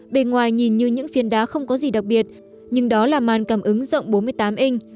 bề ngoài nhìn như những phiền đá không có gì đặc biệt nhưng đó là màn cảm ứng rộng bốn mươi tám inch